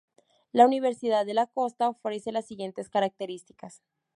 La Universidad de la Costa ofrece las siguientes características